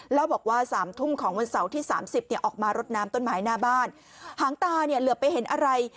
แล้วบอกว่าสามทุ่มของวันเสาร์ที่สามสิบเนี่ยออกมารดน้ำต้นไม้หน้าบ้านหางตาเนี่ยเหลือไปเห็นอะไร